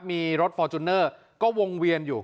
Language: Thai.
มีรถฟอร์จูเนอร์ก็วงเวียนอยู่